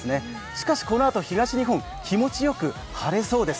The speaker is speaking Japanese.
しかしこのあと東日本、気持ちよく晴れそうです。